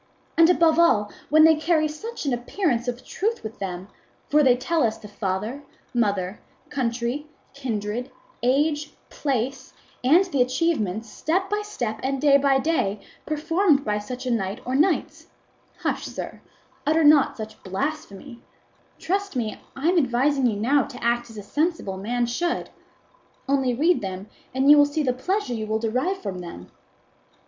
And above all when they carry such an appearance of truth with them; for they tell us the father, mother, country, kindred, age, place, and the achievements, step by step, and day by day, performed by such a knight or knights! Hush, sir; utter not such blasphemy; trust me I am advising you now to act as a sensible man should; only read them, and you will see the pleasure you will derive from them.